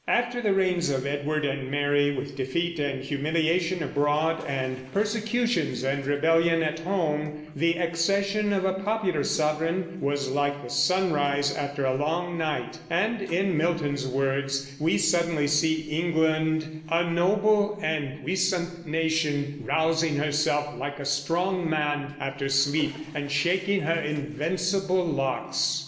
After the reigns of Edward and Mary, with defeat and humiliation abroad and persecutions and rebellion at home, the accession of a popular sovereign was like the sunrise after a long night, and, in Milton's words, we suddenly see England, "a noble and puissant nation, rousing herself, like a strong man after sleep, and shaking her invincible locks."